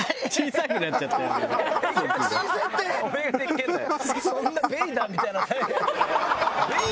おめえがでっけえんだよ。